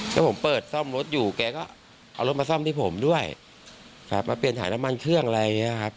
ก็ผมเปิดซ่อมรถอยู่แกก็เอารถมาซ่อมที่ผมด้วยแบบมาเปลี่ยนถ่ายอารมณ์เครื่องอะไรเงี้ยครับ